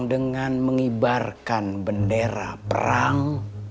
dengan mengibarkan bendera perang